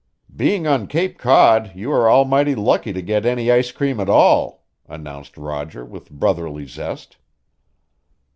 "Being on Cape Cod you are almighty lucky to get any ice cream at all," announced Roger with brotherly zest.